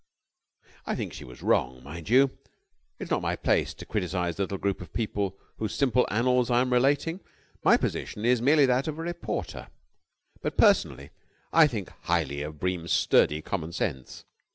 I think she was wrong, mind you. It is not my place to criticise the little group of people whose simple annals I am relating my position is merely that of a reporter : but personally I think highly of Bream's sturdy common sense.